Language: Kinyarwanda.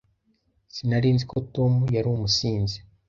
Sinari nzi ko Tom yari umusinzi.